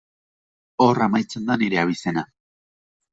Hor amaitzen da nire abizena.